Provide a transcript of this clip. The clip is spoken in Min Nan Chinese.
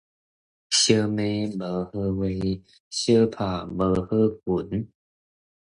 相罵無好話，相拍無好拳